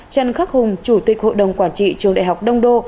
trần khắc hùng chủ tịch hội đồng quản trị trường đại học đông đô